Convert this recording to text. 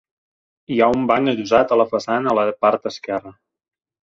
Hi ha un banc adossat a la façana a la part esquerra.